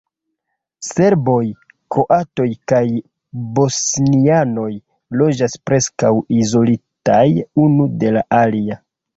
Serboj, kroatoj kaj bosnianoj loĝas preskaŭ izolitaj unu de la alia.